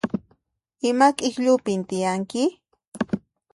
Ima k'ikllupin tiyanki?